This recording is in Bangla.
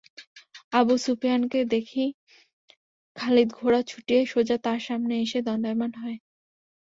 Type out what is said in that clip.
আবু সুফিয়ানকে দেখেই খালিদ ঘোড়া ছুটিয়ে সোজা তার সামনে এসে দণ্ডায়মান হন।